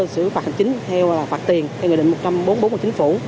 xử phạt hành chính theo phạt tiền theo nghị định một trăm bốn mươi bốn của chính phủ